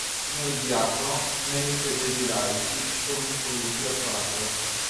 Né il diacono né i fedeli laici sono istruiti a farlo.